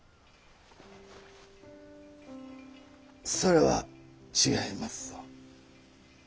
それは違いますぞ。